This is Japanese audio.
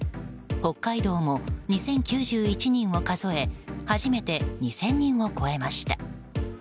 北海道も２０９１人を数え初めて２０００人を超えました。